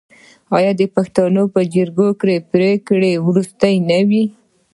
آیا د پښتنو په جرګه کې پریکړه وروستۍ نه وي؟